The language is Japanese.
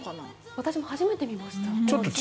私も初めて見ました。